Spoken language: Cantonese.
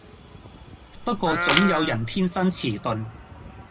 不過總有人天生遲鈍